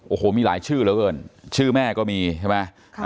โอ้โหมีหลายชื่อเหลือเกินชื่อแม่ก็มีใช่ไหม